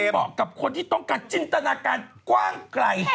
เหมาะกับคนที่ต้องการจินตนาการกว้างไกล